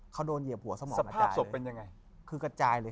เขาโดนเหยียบหัวสมองกระจายเลย